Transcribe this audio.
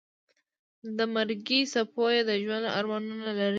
د مرګي څپو یې د ژوند ارمانونه لرې یوړل.